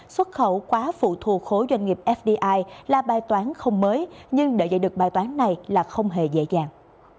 xuất khẩu quá phụ thu khối doanh nghiệp fdi là bài toán không mới nhưng đợi dạy được bài toán này là không hề dễ dàng